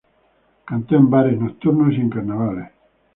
Cantó en bares nocturnos y en carnavales.